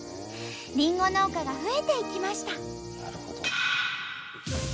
りんご農家が増えていきました。